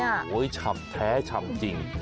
โอ้โหฉ่ำแท้ฉ่ำจริง